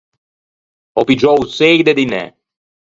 Ò piggiou o sëi de dinæ.